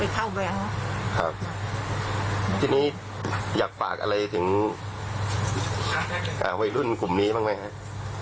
เข้าไปเอาครับทีนี้อยากฝากอะไรถึงวัยรุ่นกลุ่มนี้บ้างไหมครับ